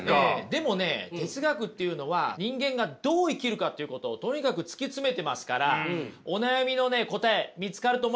でもね哲学っていうのは人間がどう生きるかっていうことをとにかく突き詰めてますからお悩みのね答え見つかると思いますよ。